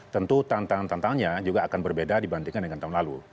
tentu tantangan tantangannya juga akan berbeda dibandingkan dengan tahun lalu